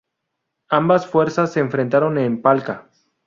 Ambas fuerzas se enfrentaron en Palca.